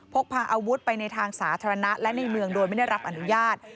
พกพาอาวุธไปในทางสาธารณะและในเมืองโดยไม่ได้รับอนุญาต